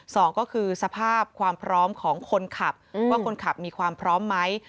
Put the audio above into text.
สองก็คือสภาพความพร้อมของคนขับว่าคนขับมีความพร้อมไหม